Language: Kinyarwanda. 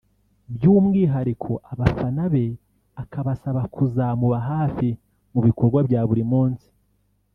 by’umwihariko abafana be akabasaba kuzamuba hafi mu bikorwa bya buri munsi